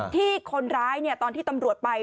ที่คนร้ายตอนที่ตำรวจไป